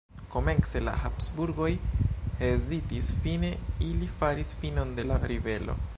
Komence la Habsburgoj hezitis, fine ili faris finon de la ribelo.